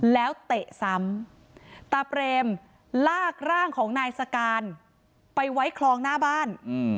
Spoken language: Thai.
แล้วเตะซ้ำตาเปรมลากร่างของนายสการไปไว้คลองหน้าบ้าน